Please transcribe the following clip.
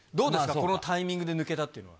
このタイミングで抜けたっていうのは。